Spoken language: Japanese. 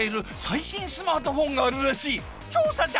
調査じゃ！